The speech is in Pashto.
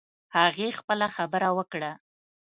هغې خپله خبره وکړه